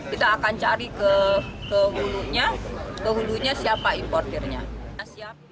kita akan cari ke hulunya siapa importernya